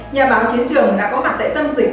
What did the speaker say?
nhà báo chiến trường đã có mặt tại tâm dịch